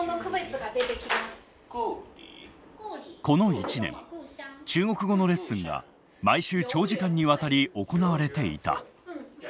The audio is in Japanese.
この１年中国語のレッスンが毎週長時間にわたり行われていた。